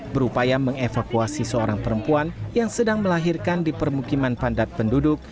berupaya mengevakuasi seorang perempuan yang sedang melahirkan di permukiman padat penduduk